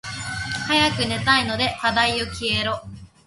早く寝たいので課題よ消えろ。